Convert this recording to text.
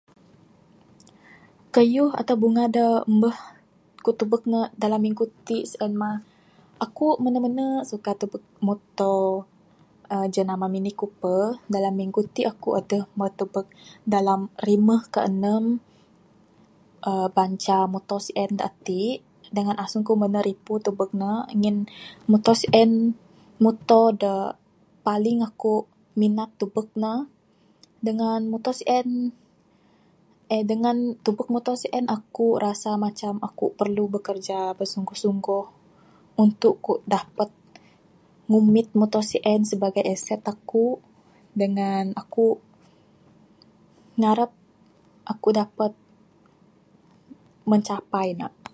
Kayuh atau bunga da mbuh ku tebuk dalam minggu tik, si'en mah akuk menu menu suka tebuk muto,[uhh] jenama Mini Cooper. Dalam minngu tik akuk aduh muh tebuk dalam rimuh ke enum uhh banca muto si'en da atik. Dengan asung menu' kuk ripu tebuk ne ngin muto si'en muto da paling akuk minat tebuk ne. Dengan muto si'en, uhh dengan tebuk muto si'en kuk rasa akuk perlu bekerja besungguh sungguh untuk kuk dapat ngumit muto si'en sebagai aset akuk dengan akuk ngarap akuk dapat mencapai ne.